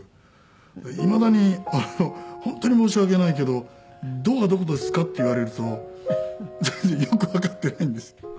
いまだに本当に申し訳ないけど「ドはどこですか？」って言われるとよくわかってないんです。